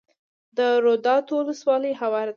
د روداتو ولسوالۍ هواره ده